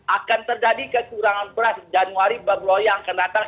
akan terjadi kekurangan beras januari bagloyang akan datang